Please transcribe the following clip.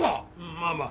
まあまあ。